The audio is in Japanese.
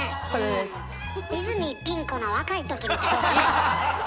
泉ピン子の若い時みたいよね。